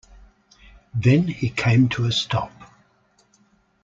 Then he came to a stop.